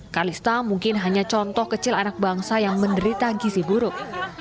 kalista mungkin hanya contoh kecil anak bangsa yang menderita gisi buruk